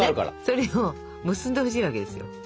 それを結んでほしいわけですよ。